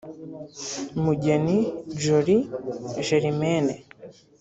Mugeni Jolie Germaine